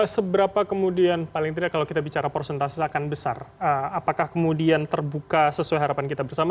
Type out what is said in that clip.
seberapa kemudian paling tidak kalau kita bicara prosentase akan besar apakah kemudian terbuka sesuai harapan kita bersama